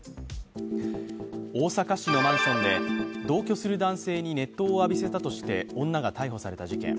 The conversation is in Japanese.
大阪市のマンションで同居する男性に熱湯を浴びせたとして女が逮捕された事件。